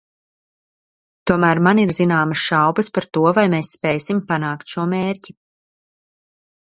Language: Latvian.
Tomēr man ir zināmas šaubas par to, vai mēs spēsim panākt šo mērķi.